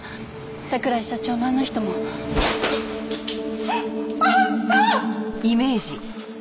桜井社長もあの人も。あんた！！